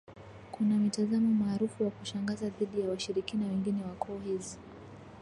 kuna mitazamo maarufu wa kushangaza dhidi ya washirikina wengine wa koo hizi